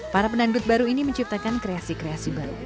para pendangdut baru ini menciptakan kreasi kreasi baru